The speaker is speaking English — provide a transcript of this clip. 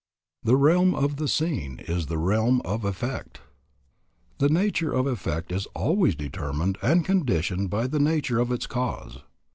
The realm of the seen is the realm of effect. The nature of effect is always determined and conditioned by the nature of its cause.